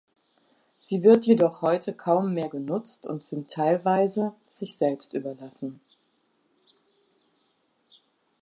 Sie wird jedoch heute kaum mehr genutzt und sind teilweise sich selbst überlassen.